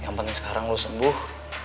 yang penting sekarang lo sembuh